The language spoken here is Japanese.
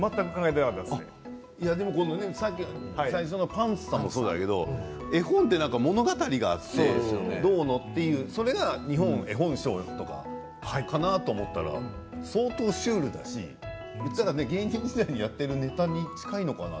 「ぱんつさん」もそうだけど絵本は物語があってどうのというそれが日本絵本賞とかなのかなと思ったらそうとうシュールだしただ芸人時代にやっているネタに近いので。